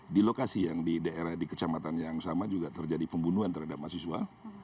di lokasi yang di daerah di kecamatan yang sama juga terjadi pembunuhan terhadap mahasiswa